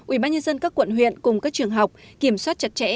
ủy ban nhân dân các quận huyện cùng các trường học kiểm soát chặt chẽ